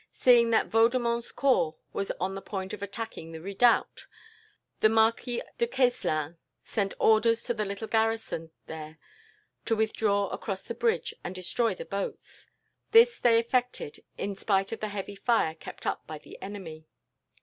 Seeing that Vaudemont's corps was on the point of attacking the redoubt, the Marquis de Queslin sent orders to the little garrison there to withdraw across the bridge, and destroy the boats. This they effected, in spite of the heavy fire kept up by the enemy.